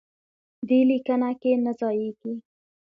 دې لیکنه کې نه ځایېږي.